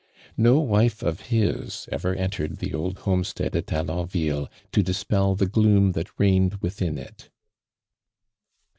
No wife of his ever entered the old homestead at Alou ville to dispel the gloom that reigned no thing it.